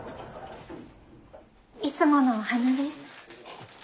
いつものお花です。